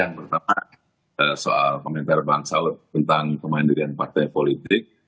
yang pertama soal komentar bang saud tentang kemandirian partai politik